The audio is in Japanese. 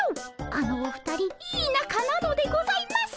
あのお二人いいなかなのでございます。